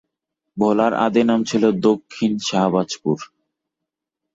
ভোলার আদি নাম ছিল দক্ষিণ শাহবাজপুর।